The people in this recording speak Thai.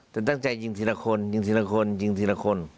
แต่ตั้งใจยิงทีละคนยิงทีละคนยิงทีละคน